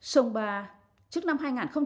sông ba trước năm hai nghìn một mươi bốn